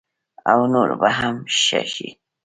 او نور به هم ښه شي.